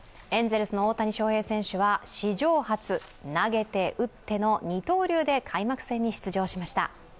エンゼルスの大谷翔平選手は史上初、投げて打っての二刀流で開幕戦に出場しました。